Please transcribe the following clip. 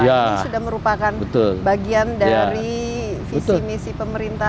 ini sudah merupakan bagian dari visi misi pemerintah